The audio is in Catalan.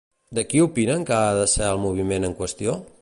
De qui opinen que ha de ser el moviment en qüestió?